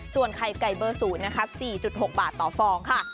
ส่วนไข่ไก่เบอร์๐นะคะ๔๖บาทต่อฟองค่ะ